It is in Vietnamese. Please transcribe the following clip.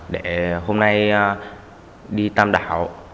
để hôm nay đi tam đảo